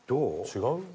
違う？